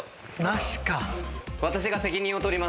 なしか。